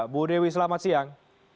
ibu dewi selamat siang